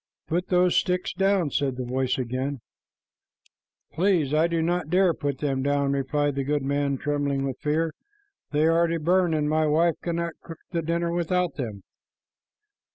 "Put those sticks down," said the voice again. "Please, I do not dare to put them down," replied the goodman, trembling with fear. "They are to burn, and my wife cannot cook the dinner without them."